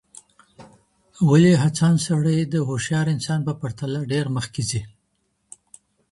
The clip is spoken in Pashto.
ولي هڅاند سړی د هوښیار انسان په پرتله ډېر مخکي ځي؟